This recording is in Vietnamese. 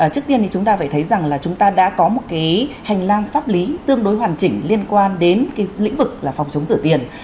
trước tiên thì chúng ta phải thấy rằng là chúng ta đã có một cái hành lang pháp lý tương đối hoàn chỉnh liên quan đến cái lĩnh vực là phòng chống rửa tiền